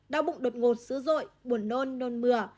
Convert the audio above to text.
đau bụng đột ngột sữa rội buồn nôn nôn mưa